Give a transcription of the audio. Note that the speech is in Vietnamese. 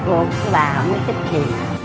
cô bà không có thích gì